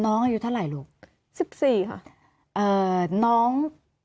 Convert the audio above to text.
อายุเท่าไหร่ลูกสิบสี่ค่ะเอ่อน้อง